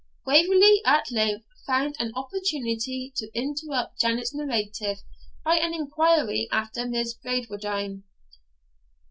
Waverley at length found an opportunity to interrupt Janet's narrative by an inquiry after Miss Bradwardine.